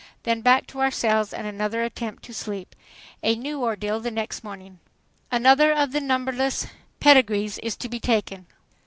Then back to our cells and another attempt to sleep. A new ordeal the next morning! Another of the numberless "pedigrees" is to be taken.